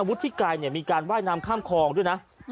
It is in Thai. วุฒิไกรมีการว่ายน้ำข้ามคลองด้วยนะ